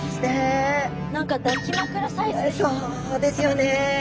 そうですよね。